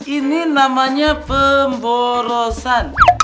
ini namanya pemborosan